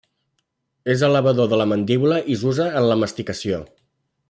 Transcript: És elevador de la mandíbula i s'usa en la masticació.